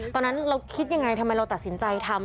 ตอนนั้นเราคิดยังไงทำไมเราตัดสินใจทำ